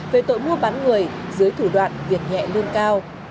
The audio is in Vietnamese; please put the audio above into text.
về tội mua bán người dưới thủ đoạn việc nhẹ lương cao